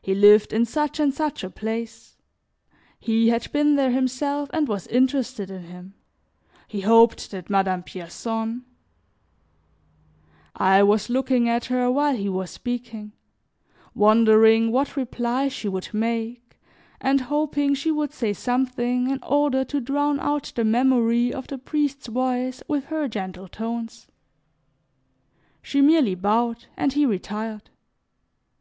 He lived in such and such a place; he had been there himself and was interested in him; he hoped that Madame Pierson I was looking at her while he was speaking, wondering what reply she would make and hoping she would say something in order to drown out the memory of the priest's voice with her gentle tones. She merely bowed, and he retired.